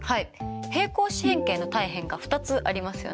平行四辺形の対辺が２つありますよね。